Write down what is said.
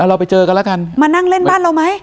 เราไปเจอกันแล้วกันมานั่งเล่นบ้านเราไหม